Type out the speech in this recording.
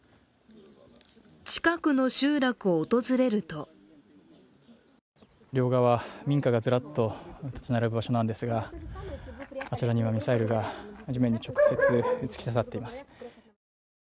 近くの集落を訪れると両側、民家がずらっと建ち並ぶ場所なんですがあちらにはミサイルが地面に直接突き刺さっています。